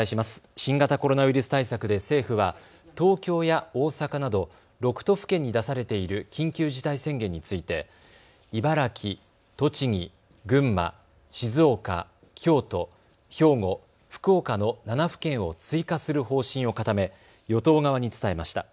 新型コロナウイルス対策で政府は東京や大阪など６都府県に出されている緊急事態宣言について茨城、栃木、群馬、静岡、京都、兵庫、福岡の７府県を追加する方針を固め与党側に伝えました。